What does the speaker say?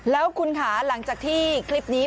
แล้วคุณค่ะหลังจากที่คลิปนี้